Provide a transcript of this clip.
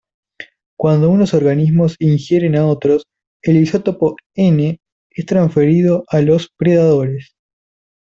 Cuando unos organismos ingieren a otros, el isótopo N es transferido a los predadores.